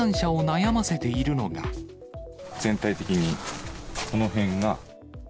全体的にこの辺が。